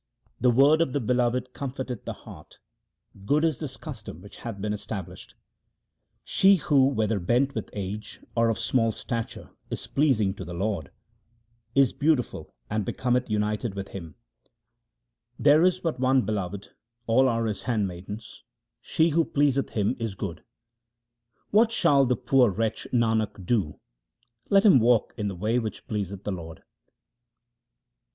The word of the Beloved comforteth the heart ; good is this custom which hath been established. She who whether bent with age 1 or of small stature is pleasing to the Lord, is beautiful and becometh united with Him. 1 Latari may also mean a hunchback. HYMNS OF GURU RAM DAS 321 There is but one Beloved ; all are His handmaidens ; she who pleaseth Him is good. What shall the poor wretch Nanak do ? Let him walk in the way which pleaseth the Lord.